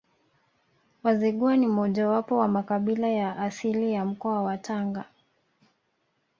Wazigua ni mojawapo wa makabila ya asili ya mkoa wa Tanga